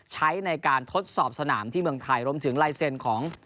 ใช้ในการทดสอบสนามที่เมืองไทยรวมถึงลายเซ็นต์ของ